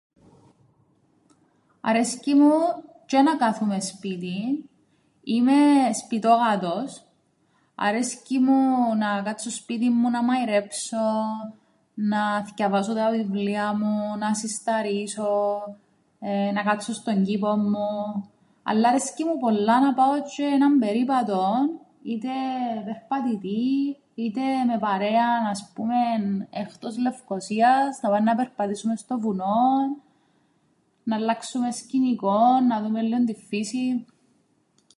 Αρέσκει μου τζ̆αι να κάθουμαι σπίτιν, είμαι σπιτόγατος, αρέσκει μου να κάτσω σπίτιν μου να μαειρέψω, να θκιαβάσω τα βιλία μου, να συσταρίσω, να κάτσω στον κήπον μου, αλλά αρέσκει μου πολλά να πάω τζ̆αι έναν περίπατον, είτε περπατητή είτε με παρέαν, ας πούμεν εχτός Λευκωσίας, να πάμεν να περπατήσουμεν στο βουνόν να αλλάξουμεν σκηνικόν να δούμεν λλίον την φύσην